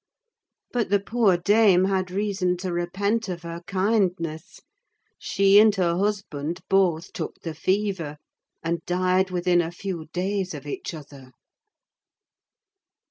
But the poor dame had reason to repent of her kindness: she and her husband both took the fever, and died within a few days of each other.